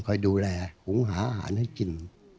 คอยดูแลหุงหาอาหารให้กิน